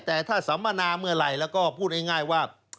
แต่ถ้าสัมมนาเมื่อไหร่แล้วก็พูดง่ายว่า